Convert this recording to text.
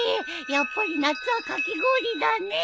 やっぱり夏はかき氷だね。